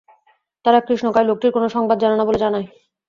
তারা কৃষ্ণকায় লোকটির কোন সংবাদ জানে না বলে জানায়।